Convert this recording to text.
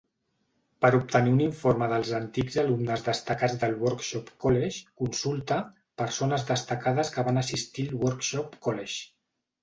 Per obtenir un informe dels antics alumnes destacats del Worksop College, consulta "persones destacades que van assistir al Worksop College".